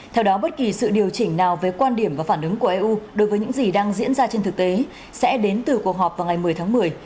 theo đó bất kỳ sự điều chỉnh nào về quan điểm và phản ứng của eu đối với những gì đang diễn ra trên thực tế sẽ đến từ cuộc họp vào ngày một mươi tháng một mươi